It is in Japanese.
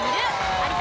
有田